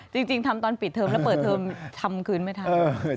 จริงทำตอนปิดเทอมแล้วเปิดเทอมทำคืนไม่ทัน